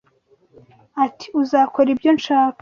ati ‘uzakora ibyo nshaka